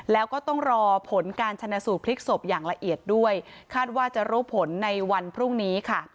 แล้วก็ต้องรอผลการชนะสูตรพลิกศพอย่างละเอียดด้วยคาดว่าจะรู้ผลในวันพรุ่งนี้ค่ะ